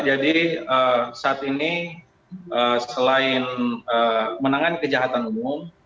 jadi saat ini selain menangani kejahatan umum